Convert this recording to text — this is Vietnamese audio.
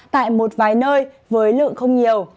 tại một vài nơi với lượng không nhiều